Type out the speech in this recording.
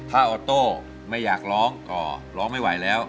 ถ้าออโต้ไม่อยากร้องก็ร้องไม่ไหวแล้ว